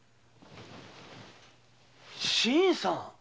新さん？